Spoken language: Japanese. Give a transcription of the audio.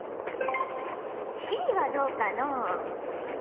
Ｃはどうかのう？